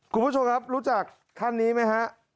คุณผู้ชมครับรู้จักท่านนี้ไหมฮะ